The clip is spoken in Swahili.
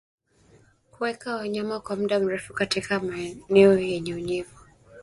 Kuweka wanyama kwa muda mrefu katika maeneo yenye unyevu